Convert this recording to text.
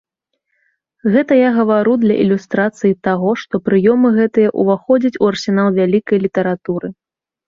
Гэта я гавару для ілюстрацыі таго, што прыёмы гэтыя ўваходзяць у арсенал вялікай літаратуры.